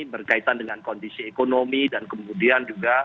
berkaitan dengan kondisi ekonomi dan kemudian juga